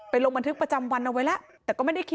ไปลงบันทึกประจำวันเอาไว้แล้ว